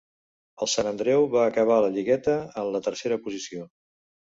El Sant Andreu va acabar la lligueta en la tercera posició.